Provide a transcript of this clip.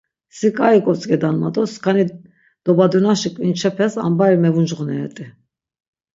Si k̆ai gotzk̆edan mado skani dobadonaşi k̆vinçepes ambari mevuncğoneret̆i.